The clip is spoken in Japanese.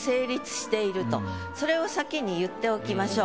それを先に言っておきましょう。